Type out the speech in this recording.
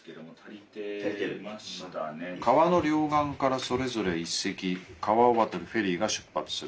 「川の両岸からそれぞれ１隻川を渡るフェリーが出発する。